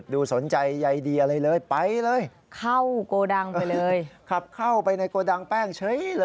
ได้เดินทางมาพบตำรวจ